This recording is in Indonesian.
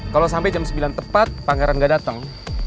kalau sampai jam sembilan tepat pangeran gak datang